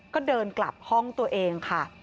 ก็เดินกลับห้องตัวเองค่ะ